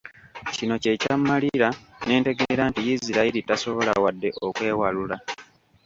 Kino kye kyammalira, ne ntegeera nti Israel tasobola wadde okwewalula.